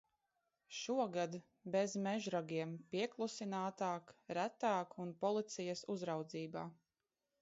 Šogad bez mežragiem, pieklusinātāk, retāk un policijas uzraudzībā.